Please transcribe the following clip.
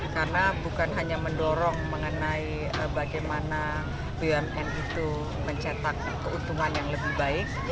karena bukan hanya mendorong mengenai bagaimana bmn itu mencetak keuntungan yang lebih baik